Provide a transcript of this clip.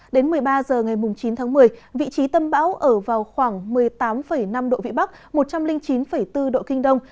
đến một mươi ba h ngày chín tháng một mươi vị trí tâm bão ở vào khoảng một mươi tám năm độ vĩ bắc một trăm linh chín bốn độ kinh đông